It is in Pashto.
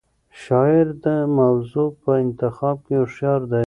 شاعر د موضوع په انتخاب کې هوښیار دی.